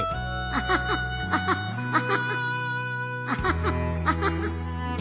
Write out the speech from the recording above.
アハハアハハ